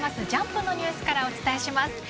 ジャンプのニュースからお伝えします。